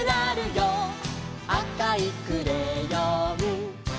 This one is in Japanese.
「あかいクレヨン」